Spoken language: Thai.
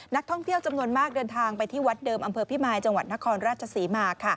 นักท่องเที่ยวจำนวนมากเดินทางไปที่วัดเดิมอำเภอพิมายจังหวัดนครราชศรีมา